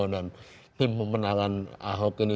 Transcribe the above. dan tim pemenangan ahok ini